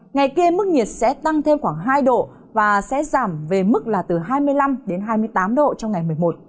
ngày kia mức nhiệt sẽ tăng thêm khoảng hai độ và sẽ giảm về mức là từ hai mươi năm đến hai mươi tám độ trong ngày một mươi một